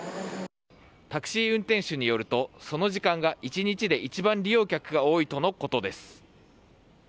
タクシー運転手によるとその時間が１日で一番利用客が多いとのことです。